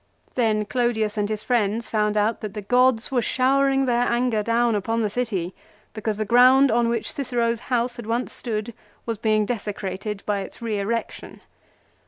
Then Clodius and his friends found out that the gods were showering their anger down upon the city because the ground on which Cicero's house had once stood was being desecrated by its re erection.